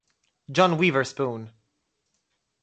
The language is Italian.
John Witherspoon